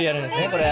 これ。